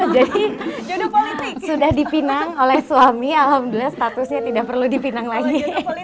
sudah dipinang oleh suami alhamdulillah statusnya tidak perlu dipinang lagi